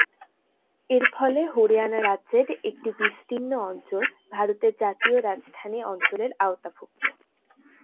এর ফলে হরিয়ানা রাজ্যের একটি বিস্তীর্ণ অঞ্চল ভারতের জাতীয় রাজধানী অঞ্চলের আওতাভুক্ত।